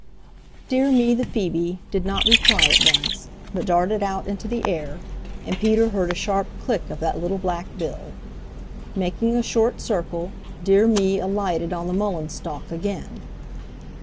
Dear Me the Phoebe did not reply at once, but darted out into the air, and Peter heard a sharp click of that little black bill. Making a short circle, Dear Me alighted on the mullein stalk again.